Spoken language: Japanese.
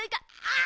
あ！